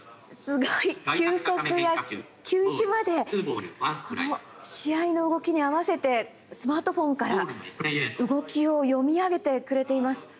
すごい、球速や球種までこの試合の動きに合わせてスマートフォンから動きを読み上げてくれています。